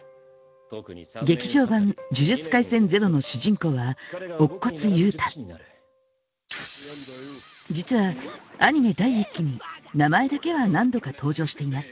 「劇場版呪術廻戦０」の主人公は乙骨憂太実はアニメ第１期に名前だけは何度か登場しています